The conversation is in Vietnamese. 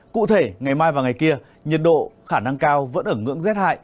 cụ thể ngày mai và ngày kia nhiệt độ khả năng cao vẫn ở ngưỡng z hai